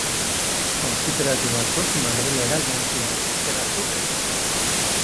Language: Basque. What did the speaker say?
Auziperatu batzuk Madrilera joan ziren, beste batzuk ez.